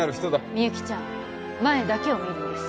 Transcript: みゆきちゃん前だけを見るんです